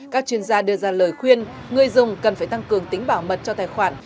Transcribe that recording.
các chuyên gia đưa ra lời khuyên người dùng cần phải tăng cường tính bảo mật cho tài khoản